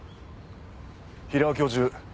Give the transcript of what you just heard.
平尾教授